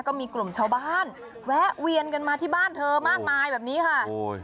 ก็มีกลุ่มชาวบ้านแวะเวียนกันมาที่บ้านเธอมากมายแบบนี้ค่ะโอ้ย